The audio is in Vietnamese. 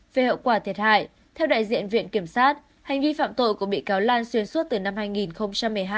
về hậu quả thiệt hại theo đại diện viện kiểm sát hành vi phạm tội của bị cáo lan xuyên suốt từ năm hai nghìn một mươi hai